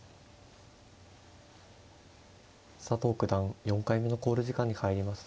佐藤九段４回目の考慮時間に入りました。